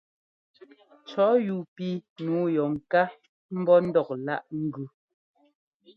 Cɔ̌ yúu píi nǔu yɔ ŋká ḿbɔ́ ńdɔk láꞌ ŋ́gʉ.